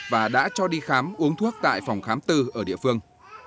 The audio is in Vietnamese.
và đã cho đi khám uống thuốc tại phòng khám tư ở địa phương